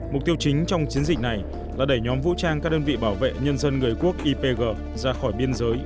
mục tiêu chính trong chiến dịch này là đẩy nhóm vũ trang các đơn vị bảo vệ nhân dân người quốc ipg ra khỏi biên giới